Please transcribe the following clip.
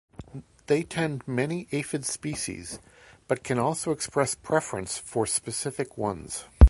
They tend many aphid species but can also express preference for specific ones.